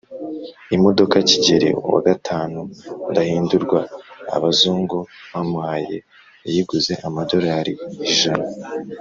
Imodoka kigeli wa gatanu ndahindurwa abazungu bamuhaye yayiguze amadolari ijana